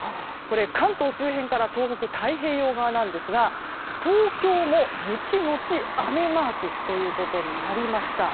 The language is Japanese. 関東周辺から東北太平洋側なんですが東京も雪のち雨マークということになりました。